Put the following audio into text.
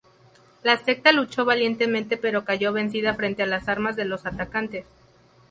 La secta luchó valientemente pero cayó vencida frente a las armas de los atacantes.